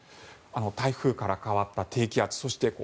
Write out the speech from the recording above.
台風から変わった低気圧そして